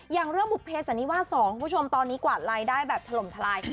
อย่างเรื่องบุภเพสันนิวาส๒คุณผู้ชมตอนนี้กวาดรายได้แบบถล่มทลาย